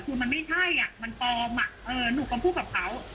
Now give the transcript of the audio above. คือมันไม่ใช่อ่ะมันปลอมหนูก็พูดกับเขา